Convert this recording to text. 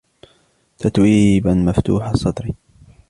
تتويبا مفتوح المصدر.